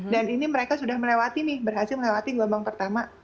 dan ini mereka sudah melewati nih berhasil melewati gelombang pertama